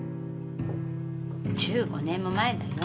１５年も前だよ。